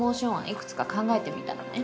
いくつか考えてみたのね。